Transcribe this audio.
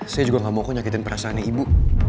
saya juga gak mau kau nyakitin perasaan ibu